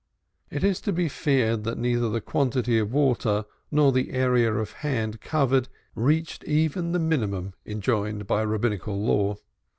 It is to be feared that neither the quantity of water nor the area of hand covered reached even the minimum enjoined by Rabbinical law.